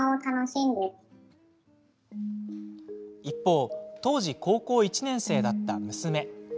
一方、当時高校１年生だった娘。